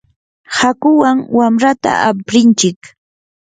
hakuwan wamrata aprinchik.